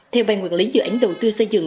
theo ban quản lý dự án đầu tư xây dựng